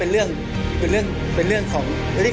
อันดับสุดท้าย